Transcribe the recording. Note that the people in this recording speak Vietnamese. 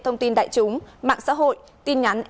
thông tin đại chúng mạng xã hội tin nhắn